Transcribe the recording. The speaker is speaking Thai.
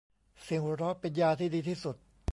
เสียงหัวเราะเป็นยาที่ดีที่สุด